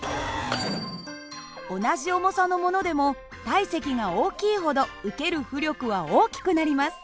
同じ重さのものでも体積が大きいほど受ける浮力は大きくなります。